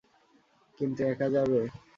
কিন্তু একা যাবে।